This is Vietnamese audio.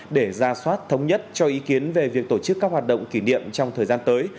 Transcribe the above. để ra soát thống nhất cho ý kiến về việc tổ chức các hoạt động kỷ niệm trong thời gian tới